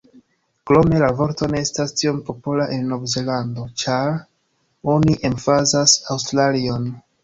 Krome la vorto ne estas tiom popola en Novzelando ĉar oni emfazas Aŭstralion.